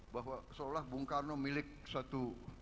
bahwa seolah bung karno milik suatu